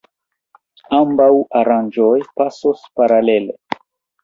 Ambaŭ aranĝoj pasos paralele.